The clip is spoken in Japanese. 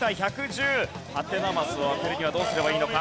ハテナマスを開けるにはどうすればいいのか？